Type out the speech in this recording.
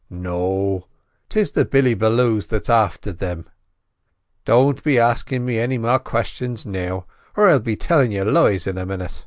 "No; 'tis the Billy balloos that's afther thim. Don't be axin' me any more questions now, or I'll be tellin' you lies in a minit."